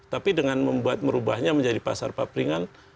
tapi dengan membuat merubahnya menjadi pasar papringan